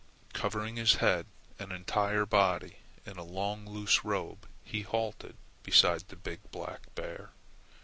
Covering his head and entire body in a long loose robe he halted beside the big black bear.